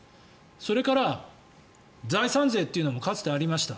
それから、財産税というのもかつてありました。